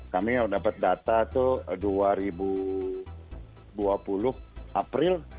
kami dapat data itu dua ribu dua puluh april